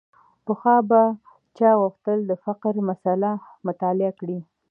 پخوا به چا غوښتل د فقر مسأله مطالعه کړي.